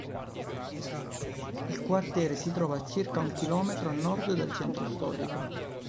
Il quartiere si trova a circa un chilometro a nord del centro storico.